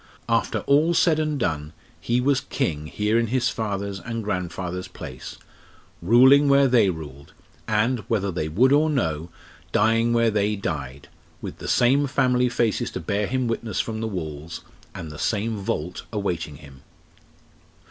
After all said and done, he was king here in his father's and grandfather's place; ruling where they ruled, and whether they would or no dying where they died, with the same family faces to bear him witness from the walls, and the same vault awaiting him.